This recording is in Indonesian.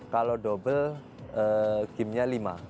kalau double gimnya lima